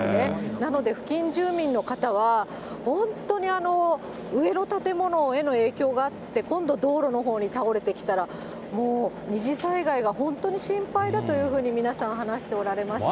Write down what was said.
なので、付近住民の方は、本当に上の建物への影響があって、今度、道路のほうに倒れてきたら、もう二次災害が本当に心配だというふうに、皆さん話しておられました。